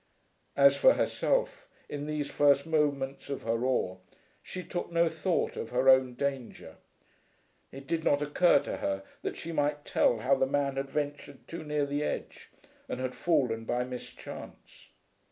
As for herself, in these first moments of her awe she took no thought of her own danger. It did not occur to her that she might tell how the man had ventured too near the edge and had fallen by mischance.